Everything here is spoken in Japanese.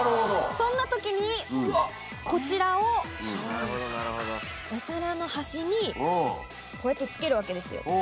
そんな時にこちらをお皿の端にこうやって付けるわけですよ。